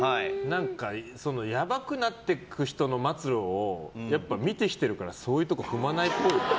やばくなっていく人の末路を見てきてるからそういうところ踏まないっぽい。